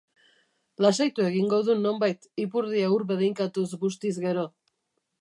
Lasaitu egingo dun, nonbait, ipurdia ur bedeinkatuz bustiz gero.